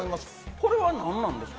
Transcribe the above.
これは何なんですか？